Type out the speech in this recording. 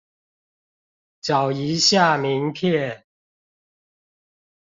找一下名片